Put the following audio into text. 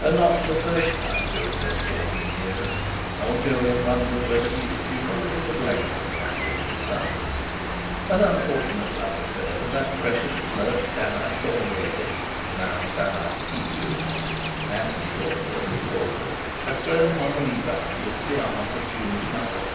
And not for the first time during those fourteen years old Jolyon wondered whether he had been a little to blame in the matter of his son. An unfortunate love affair with that precious flirt Danae Thornworthy (now Danae Pellew), Anthony Thornworthy's daughter, had thrown him on the rebound into the arms of Jun's mother.